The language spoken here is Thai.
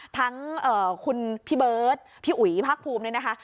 ทั้งคุณพี่เบิร์ตพี่อุ๋ยภาคภูมิเนี่ยนะคะ